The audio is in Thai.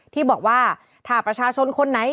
ที่บอกว่าถ้าประชาชนคนไหน